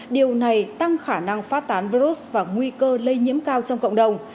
điều này tăng khả năng phát tán virus và nguy cơ lây nhiễm cao trong cộng đồng